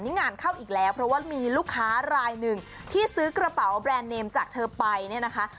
นี่งานเข้าอีกแล้วเพราะว่ามีลูกค้ารายหนึ่งที่ซื้อกระเป๋าแบรนด์เนมจากเธอไปเนี่ยนะคะ